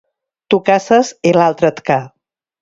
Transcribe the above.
Tu caces i altre et ca